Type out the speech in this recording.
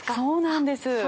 そうなんです。